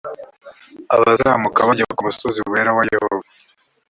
abazamuka bajya ku musozi wera wa yehova